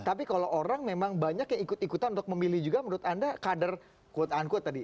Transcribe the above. tapi kalau orang memang banyak yang ikut ikutan untuk memilih juga menurut anda kader unquote tadi